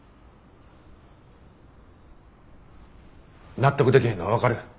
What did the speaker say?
納得でけへんのは分かる。